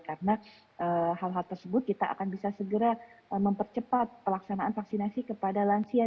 karena hal hal tersebut kita akan bisa segera mempercepat pelaksanaan vaksinasi kepada lansia